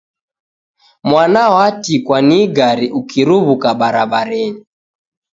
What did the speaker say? Mwana watikwa ni igari ukiruw'uka barabarenyi